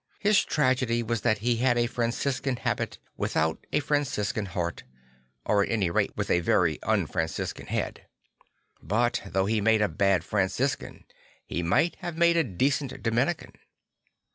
His tragedy was that he had a Franciscan habit without a Fran ciscan heart, or at any rate with a very un Franciscan head. But though he made a bad Fran ciscan, he might have made a decent Dominican.